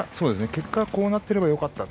結果、こうなっていればよかった。